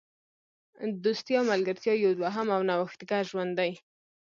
دوستي او ملګرتیا یو دوهم او نوښتګر ژوند دی.